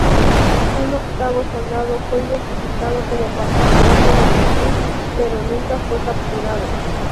Un octavo soldado fue identificado como participante en el motín, pero nunca fue capturado.